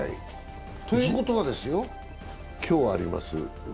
ということは今日あります